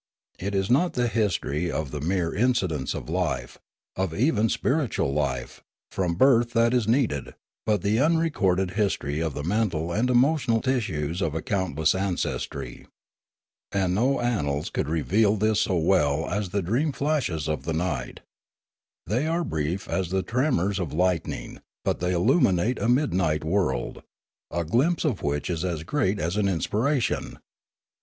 It is not the history of the mere incidents of life, of even spiritual life, from birth that is needed, but the unrecorded history of the mental and emotional tissues of a countless ancestry. And no annals could reveal this so well as the dream flashes of the night. They are brief as the tremors of lightning, but they illumi nate a midnight world, a glimpse of which is as great as an inspiration.